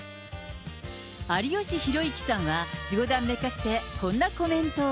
有吉弘行さんは、冗談めかしてこんなコメントを。